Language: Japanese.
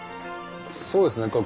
そうですね。